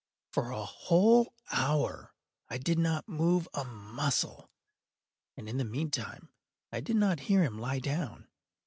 For a whole hour I did not move a muscle, and in the meantime I did not hear him lie down.